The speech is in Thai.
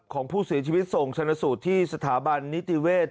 ของผู้เสียชีวิตส่งชนสูตรที่สถาบันนิติเวศ